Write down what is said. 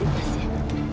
beri pas ya